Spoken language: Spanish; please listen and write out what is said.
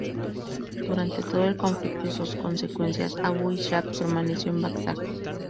Durante todo el conflicto y sus consecuencias, Abu Ishaq permaneció en Bagdad.